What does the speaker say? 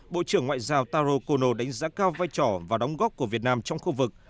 bộ trưởng ngoại giao taro kono đánh giá cao vai trò và đóng góp của việt nam trong khu vực